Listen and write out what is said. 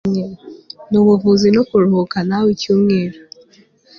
Nubuvuzi no kuruhuka nawe icyumweru